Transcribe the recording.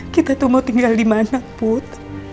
kita tuh mau tinggal dimana put